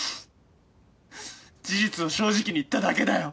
事実を正直に言っただけだよ。